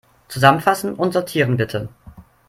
Zusammenfassen und sortieren, bitte.